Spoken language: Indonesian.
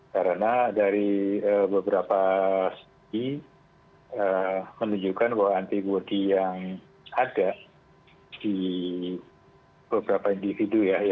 karena dari beberapa studi menunjukkan bahwa antibody yang ada di beberapa individu ya